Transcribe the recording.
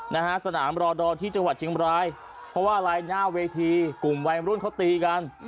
นะฮะสนามรอดอที่จังหวัดเชียงบรายเพราะว่าอะไรหน้าเวทีกลุ่มวัยรุ่นเขาตีกัน